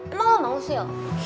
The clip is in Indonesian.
emang lu mau siel